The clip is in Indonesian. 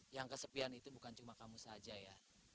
yang kesepian itu bukan cuma kamu saja ya